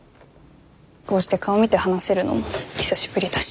こうして顔見て話せるのも久しぶりだし。